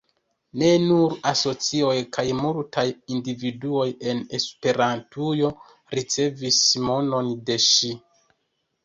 Ne nur asocioj kaj multaj individuoj en Esperantujo ricevis monon de ŝi.